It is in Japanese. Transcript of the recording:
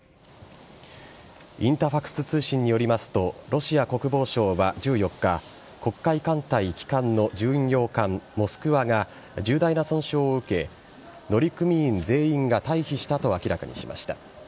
インタファクス通信によりますとロシア国防省は１４日黒海艦隊旗艦の巡洋艦「モスクワ」が重大な損傷を受け乗組員全員が退避したと明らかにしました。